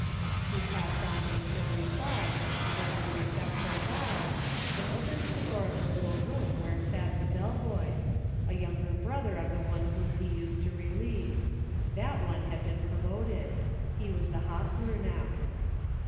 He passed on with no reply other than a respect ful bow, and opened the door of the little room where sat the bell boy, a younger brother of the one whom he used to relieve ; that one had been promoted : he was the hostler now.